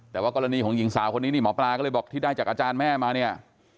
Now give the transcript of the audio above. แต่ว่ากรณีของหญิงสาวคนนี้นี่หมอปลาก็เลยบอกที่ได้จากอาจารย์แม่มาเนี่ย